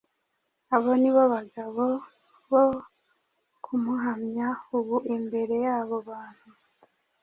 abo ni bo bagabo bo kumuhamya ubu imbere y’abo bantu